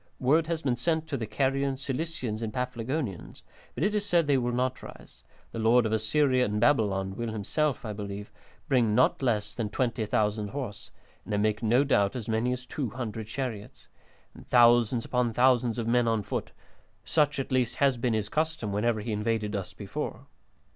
Word has been sent to the Carians, Cilicians, and Paphlagonians, but it is said they will not rise; the Lord of Assyria and Babylon will himself, I believe, bring not less than 20,000 horse, and I make no doubt as many as 200 chariots, and thousands upon thousands of men on foot; such at least has been his custom whenever he invaded us before."